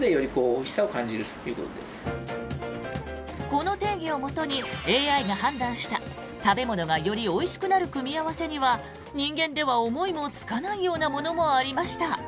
この定義をもとにＡＩが判断した食べ物がよりおいしくなる組み合わせには人間では思いもつかないようなものもありました。